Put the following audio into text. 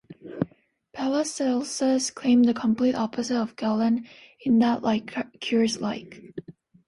Paracelsus claimed the complete opposite of Galen, in that like cures like.